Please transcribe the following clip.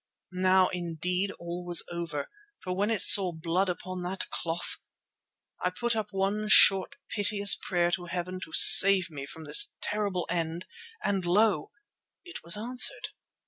Now indeed all was over, for when it saw blood upon that cloth——! I put up one short, piteous prayer to Heaven to save me from this terrible end, and lo, it was answered!